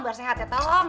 biar sehat ya toong